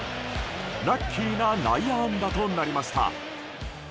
ラッキーな内野安打となりました。